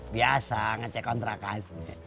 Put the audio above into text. biasa ngecek kontrakan